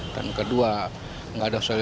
dan kedua nggak ada osialisasi